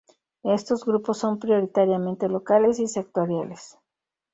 Estos grupos son prioritariamente locales y sectoriales.